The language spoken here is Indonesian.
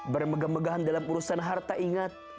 bermegah megahan dalam urusan harta ingat